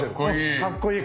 かっこいい！